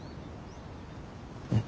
うん。